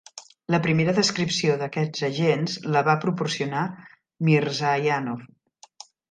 La primera descripció d'aquests agents la va proporcionar Mirzayanov.